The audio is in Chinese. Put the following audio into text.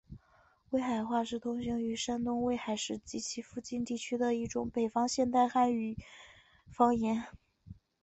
威海话是通行于山东省威海市及其附近地区的一种北方现代汉语方言。